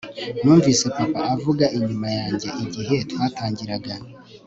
numvise papa avuga inyuma yanjye igihe twatangiraga